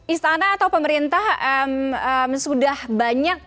istana atau pemerintah sudah banyak